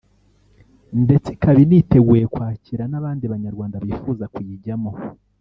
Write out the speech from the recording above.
ndetse ikaba initeguye kwakira n’abandi banyarwanda bifuza kuyijyamo